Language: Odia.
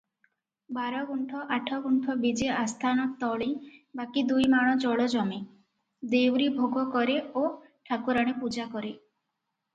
ବାରଗୁଣ୍ଠ ଆଠଗୁଣ୍ଠ ବିଜେ ଆସ୍ଥାନ ତଳି ବାକି ଦୁଇମାଣ ଜଳଜମି, ଦେଉରୀ ଭୋଗକରେ ଓ ଠାକୁରାଣୀ ପୂଜାକରେ ।